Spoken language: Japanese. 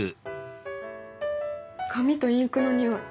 紙とインクの匂い